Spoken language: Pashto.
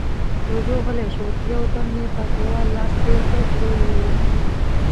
جُوجُو غلی شو، يو دم يې پر دېوال لاس تېر کړ، ورو يې وويل: